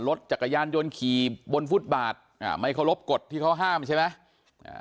รถจักรยานยนต์ขี่บนฟุตบาทอ่าไม่เคารพกฎที่เขาห้ามใช่ไหมอ่า